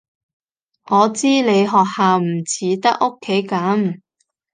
我知你學校唔似得屋企噉